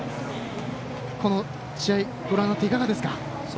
この試合ご覧になっていかがですか？